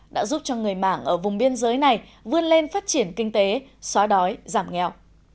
đã giúp cho người mảng ở vùng biên giới này vươn lên phát triển kinh tế xóa đói giảm nghèo